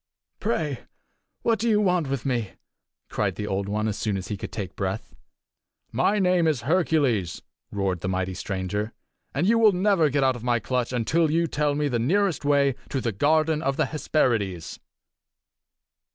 "Pray what do you want with me?" cried the Old One as soon as he could take breath. "My name is Hercules!" roared the mighty stranger, "and you will never get out of my clutch until you tell me the nearest way to the garden of the Hesperides."